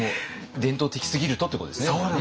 伝統的すぎるとっていうことですね。